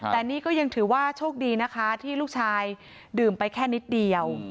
แต่นี่ก็ยังถือว่าโชคดีนะคะที่ลูกชายดื่มไปแค่นิดเดียว